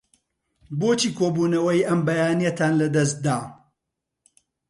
بۆچی کۆبوونەوەی ئەم بەیانییەتان لەدەست دا؟